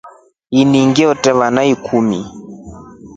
Ini ngite vana ikumi.